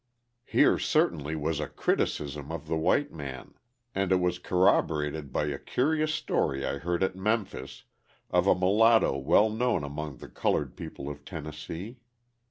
Here certainly was a criticism of the white man! And it was corroborated by a curious story I heard at Memphis, of a mulatto well known among the coloured people of Tennessee.